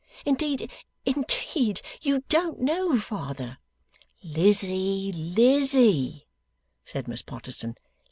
Indeed, indeed, you don't know father.' 'Lizzie, Lizzie,' said Miss Potterson.